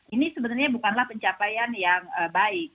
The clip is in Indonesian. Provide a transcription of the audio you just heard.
ini sebenarnya bukanlah pencapaian yang baik